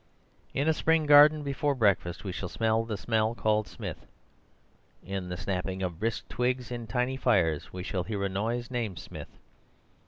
In a spring garden before breakfast we shall smell the smell called Smith. In the snapping of brisk twigs in tiny fires we shall hear a noise named Smith.